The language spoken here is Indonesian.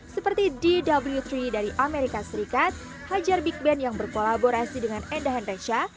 seperti dw tiga dari amerika serikat hajar big band yang berkolaborasi dengan enda henresha